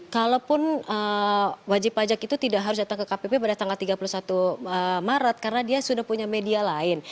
kalaupun wajib pajak itu tidak harus datang ke kpp pada tanggal tiga puluh satu maret karena dia sudah punya media lain